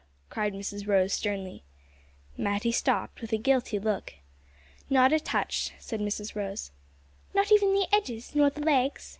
cried Mrs Rose sternly. Matty stopped with a guilty look. "Not a touch," said Mrs Rose. "Not even the edges, nor the legs?"